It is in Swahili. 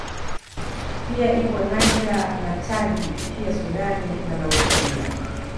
Pia ipo Niger na Chadi pia Sudani na Mauritania